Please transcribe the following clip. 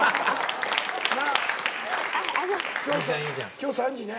今日３時ね。